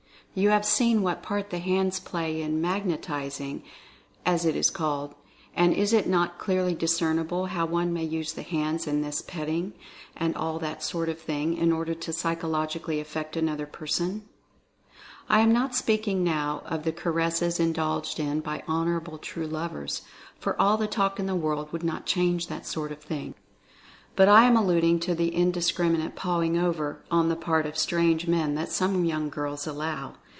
You have seen what part the hands play in "magnetizing" as it is called, and is it not clearly discernible how one may use the hands in this "petting," and all that sort of thing, in order to psychologically affect another person ? I am not speak ing now of the caresses indulged in by honorable true lovers — for all the talk in the world would not change that sort of thing — but I am alluding to the indiscrimi nate "pawing over" on the part of strange men that some young girls allow.